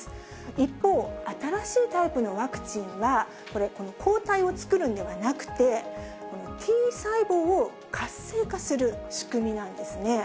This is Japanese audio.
一方、新しいタイプのワクチンは、これ、抗体を作るのではなくて、Ｔ細胞を活性化する仕組みなんですね。